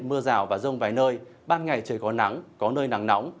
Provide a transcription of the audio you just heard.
mưa rào và rông vài nơi ban ngày trời có nắng có nơi nắng nóng